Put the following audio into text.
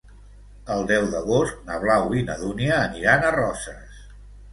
El deu d'agost na Blau i na Dúnia aniran a Roses.